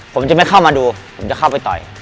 ผมจะไม่เข้ามาดูผมจะเข้าไปต่อย